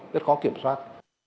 rất khó kiểm soát